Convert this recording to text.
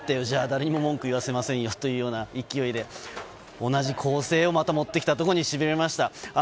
じゃあ、誰にも文句言わせませんよというような勢いで、同じ構成をまた持ってきたところにしびれました。